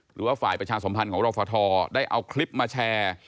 หรือว่าฝ่ายประชาสมพันธ์ของรฟทได้เอาคลิปมาแชร์